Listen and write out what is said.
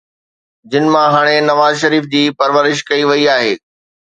جن مان هاڻي نواز شريف جي پرورش ڪئي وئي آهي.